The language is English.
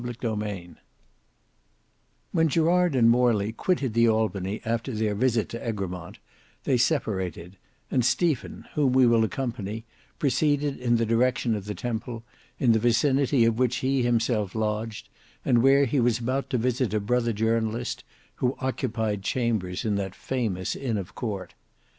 Book 4 Chapter 7 When Gerard and Morley quitted the Albany after their visit to Egremont, they separated, and Stephen, whom we will accompany, proceeded in the direction of the Temple, in the vicinity of which he himself lodged, and where he was about to visit a brother journalist, who occupied chambers in that famous inn of court.